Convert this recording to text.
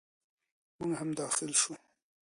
موږ هم داخل شوو.